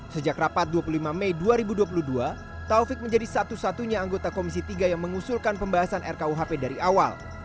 sejak rapat dua puluh lima mei dua ribu dua puluh dua taufik menjadi satu satunya anggota komisi tiga yang mengusulkan pembahasan rkuhp dari awal